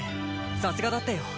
さすがだったよ。